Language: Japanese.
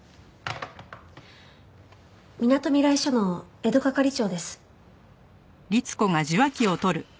みなとみらい署の江戸係長です。